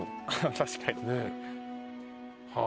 確かに。